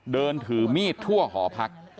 เดินถือมีดทั่วหอพัก